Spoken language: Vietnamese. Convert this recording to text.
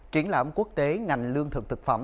triển lãm quốc tế ngành lương thực thực phẩm